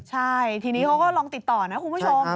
ใช่ทีนี้เขาก็ลองติดต่อนะคุณผู้ชม